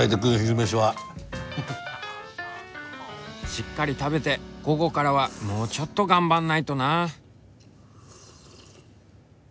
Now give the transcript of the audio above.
しっかり食べて午後からはもうちょっと頑張んないとな。